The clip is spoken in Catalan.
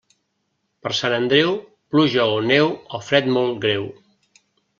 Per Sant Andreu, pluja o neu o fred molt greu.